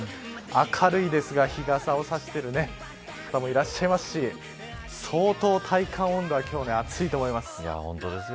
明るいですが、日傘をさしている方もいらっしゃいますし相当、体感温度は今日は暑いと思います。